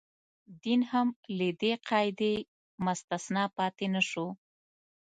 دین هم له دې قاعدې مستثنا پاتې نه شو.